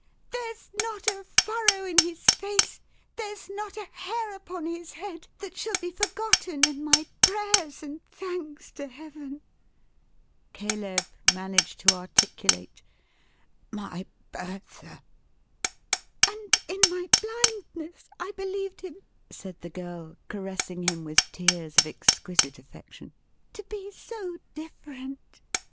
There's not a furrow in his face, there's not a hair upon his head, that shall be forgotten in my prayers and thanks to Heaven!" Caleb managed to articulate "My Bertha!" "And in my Blindness, I believed him," said the girl, caressing him with tears of exquisite affection, "to be so different!